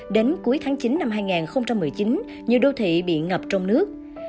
đến cuối tháng chín năm hai nghìn một mươi chín nhiều đô thị bị ngập trong nước